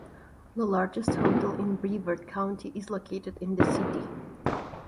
The largest hotel in Brevard County is located in the city.